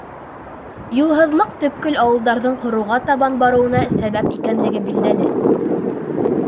Юлһыҙлыҡ төпкөл ауылдарҙың ҡороуға табан барыуына сәбәп икәнлеге билдәле.